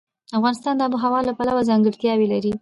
افغانستان د آب وهوا له پلوه ځانګړتیاوې لري.